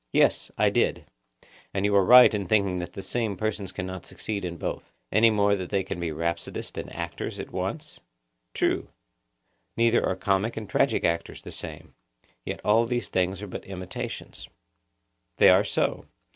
Yes, I did; and you are right in thinking that the same persons cannot succeed in both. Any more than they can be rhapsodists and actors at once? True. Neither are comic and tragic actors the same; yet all these things are but imitations. They are so.